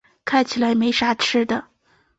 看起来没啥吃的